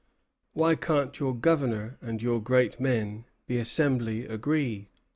"Why can't your Governor and your great men [the Assembly] agree?"